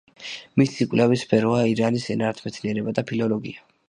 მისი კვლევის სფეროა ირანის ენათმეცნიერება და ფილოლოგია.